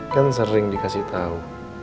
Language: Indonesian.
kan sering dikasih tau